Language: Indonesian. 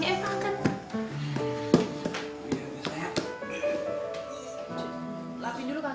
cepet aja pak kesian